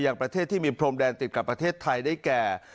อย่างประเทศที่มีพรมแดนติดกับประเทศไทยได้แก่